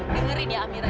dengerin ya amirah